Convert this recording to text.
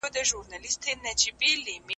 زه له ملګرو سره خپل پلانونه شریک کوم.